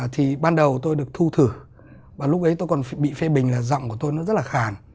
thì ban đầu tôi được thu thử và lúc ấy tôi còn bị phê bình là giọng của tôi nó rất là khả